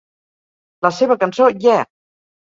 La seva cançó Yeah!